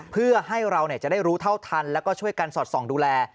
เพื่อให้เราจะได้รู้เท่าทันแล้วก็ช่วยกันสอดส่องดูแล